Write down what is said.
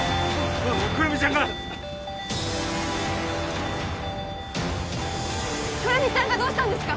ああ胡桃ちゃんが胡桃ちゃんがどうしたんですか？